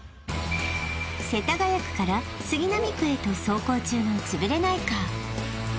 世田谷区から杉並区へと走行中のつぶれないカー